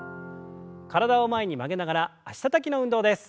体を前に曲げながら脚たたきの運動です。